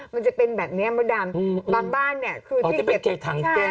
มันจะเป็นแบบนี้เมื่อดังบางบ้านเนี่ยคือที่เก็บแก๊ส